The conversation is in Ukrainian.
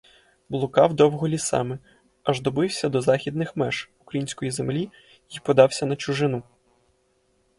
Блукав довго лісами, аж добився до західних меж української землі й подався на чужину.